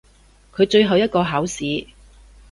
佢最後一個考試！